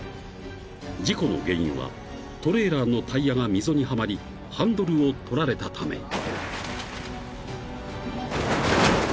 ［事故の原因はトレーラーのタイヤが溝にはまりハンドルをとられたため］